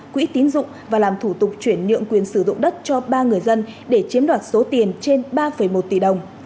quỹ tín dụng và làm thủ tục chuyển nhượng quyền sử dụng đất cho ba người dân để chiếm đoạt số tiền trên ba một tỷ đồng